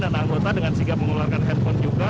dan anggota dengan sikap mengeluarkan handphone juga